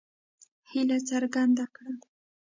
هیله څرګنده کړه.